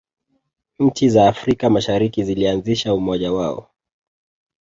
nchi za afrika mashariki zilianzisha umoja wao